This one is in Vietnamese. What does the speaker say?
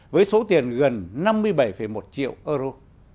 với số tiền gần năm mươi bảy một triệu euro